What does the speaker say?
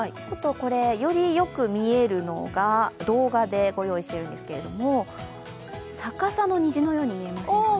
よりよく見えるのが動画でご用意しているんですが逆さの虹のように見えますね。